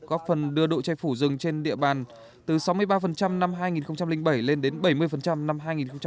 góp phần đưa đội chai phủ rừng trên địa bàn từ sáu mươi ba năm hai nghìn bảy lên đến bảy mươi năm hai nghìn hai mươi hai